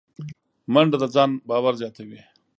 منډه د ځان باور زیاتوي